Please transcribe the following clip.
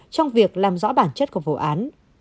trong việc làm rõ bản chất của vụ án